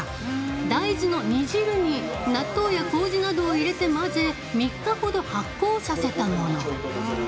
大豆の煮汁に納豆や、こうじなどを入れて混ぜ３日ほど発酵させたもの。